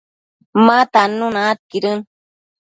ma tannuna aidquidën